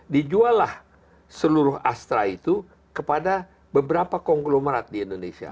dijuallah seluruh astra itu kepada beberapa konglomerat di indonesia